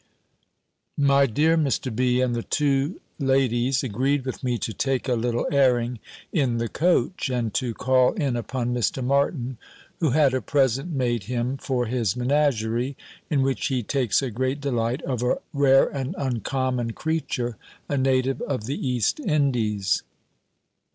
My dear Mr. B. and the two ladies, agreed with me to take a little airing in the coach, and to call in upon Mr. Martin, who had a present made him for his menagerie, in which he takes a great delight, of a rare and uncommon creature, a native of the East Indies.